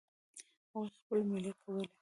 هغوی خپلې میلې کولې.